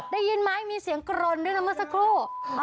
ได้ยินไหมมีเสียงกรนด้วยนะเมื่อสักครู่